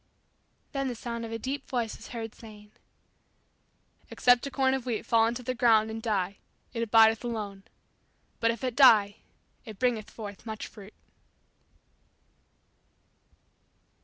Then the sound of a deep voice was heard, saying, "Except a corn of wheat fall into the ground and die it abideth alone, but if it die, it bringeth forth much fruit."